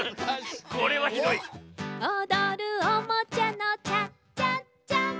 「おどるおもちゃのチャチャチャ」